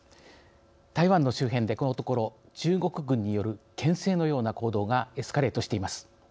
台湾の周辺でこのところ中国軍によるけん制のような行動がエスカレートしています。